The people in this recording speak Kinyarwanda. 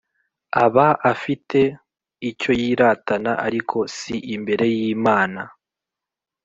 aba afite icyo yiratana, ariko si imbere y'Imana.